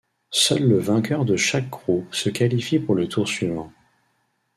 Seul le vainqueur de chaque groupe se qualifie pour le tour suivant.